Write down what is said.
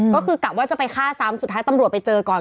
ก็คือกะว่าจะไปฆ่าซ้ำสุดท้ายตำรวจไปเจอก่อน